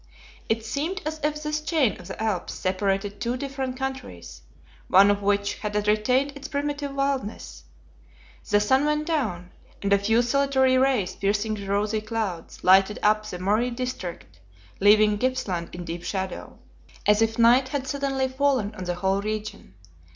It seemed as if this chain of the Alps separated two different countries, one of which had retained its primitive wildness. The sun went down, and a few solitary rays piercing the rosy clouds, lighted up the Murray district, leaving Gippsland in deep shadow, as if night had suddenly fallen on the whole region.